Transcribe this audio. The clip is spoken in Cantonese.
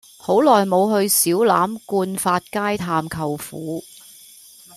好耐無去小欖冠發街探舅父